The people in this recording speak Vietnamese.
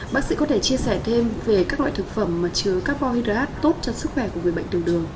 bác sĩ có thể chia sẻ thêm về các loại thực phẩm chứa carbon hydrate tốt cho sức khỏe của người bệnh đường đường